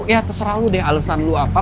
ya terserah lo deh alesan lo apa